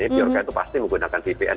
biorca itu pasti menggunakan vpn